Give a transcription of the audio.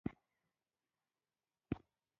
دوی به په خپلو بحثونو کې نومول.